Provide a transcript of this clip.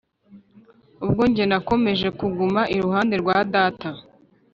ubwo njye nakomeje kuguma iruhande rwa data,